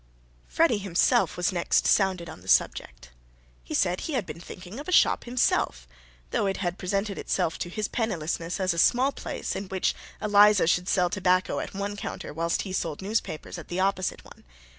Freddy himself was next sounded on the subject. He said he had been thinking of a shop himself; though it had presented itself to his pennilessness as a small place in which Eliza should sell tobacco at one counter whilst he sold newspapers at the opposite one.